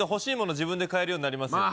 自分で買えるようになりますよね